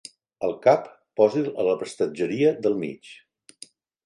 El cap, posi'l a la prestatgeria del mig.